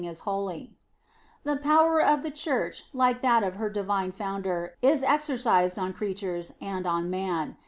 49 The power of the Church, like that of hei divine Founder, is exercised on creatures, and on man.